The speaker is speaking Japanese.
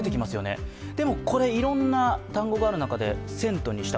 でもこれいろんな単語がある中でセントにした。